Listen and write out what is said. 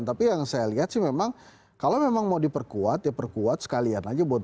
tapi yang saya lihat sih memang kalau memang mau diperkuat ya perkuat sekalian aja buat dua ribu sembilan belas